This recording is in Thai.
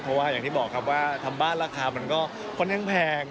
เพราะว่าอย่างที่บอกครับว่าทำบ้านราคามันก็ค่อนข้างแพง